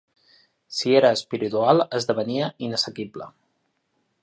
Si era espiritual esdevenia inassequible